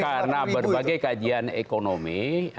karena berbagai kajian ekonomi